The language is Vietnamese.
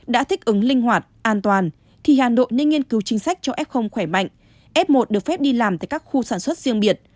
đã thích ứng linh hoạt an toàn thì hà nội nên nghiên cứu chính sách cho f khỏe mạnh f một được phép đi làm tại các khu sản xuất riêng biệt